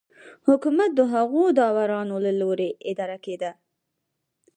حکومت د هغو داورانو له لوري اداره کېده